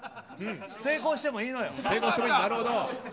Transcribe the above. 成功してもいいのよ。